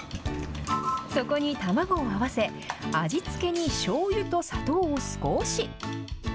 そこに卵を合わせ、味付けにしょうゆと砂糖を少し。